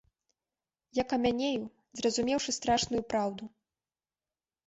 Я камянею, зразумеўшы страшную праўду.